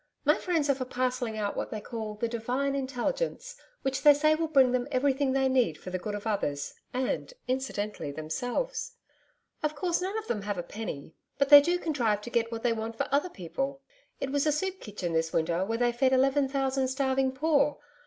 My friends are for parcelling out what they call the Divine Intelligence, which they say will bring them everything they need for the good of others and, incidentally, themselves. Of course none of them have a penny. But they do contrive to get what they want for other people it was a soup kitchen this winter where they fed 11,000 starving poor.